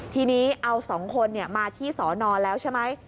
ทีนี้เอา๒คนมาที่สอนอแล้วใช่ไหม